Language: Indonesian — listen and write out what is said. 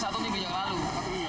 sudah saya pesan satu dua jam lalu